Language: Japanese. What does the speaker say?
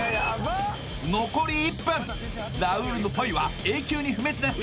残り１分ラウールのポイは永久に不滅です